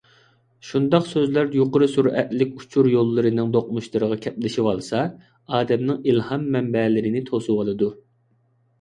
شۇنداق سۆزلەر يۇقىرى سۈرئەتلىك ئۇچۇر يوللىرىنىڭ دۇقمۇشلىرىغا كەپلىشىۋالسا، ئادەمنىڭ ئىلھام مەنبەلىرىنى توسۇۋالىدۇ.